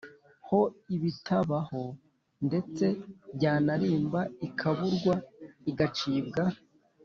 ho ibitaba ho, ndetse byanarimba ikaburwa, igacibwa,